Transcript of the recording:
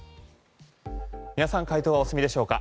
皆さん回答はお済みでしょうか？